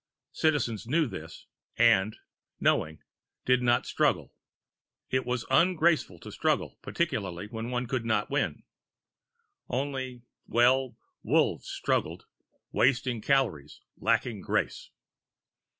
Citizens knew this and, knowing, did not struggle it was ungraceful to struggle, particularly when one could not win. Only well, Wolves struggled, wasting calories, lacking grace.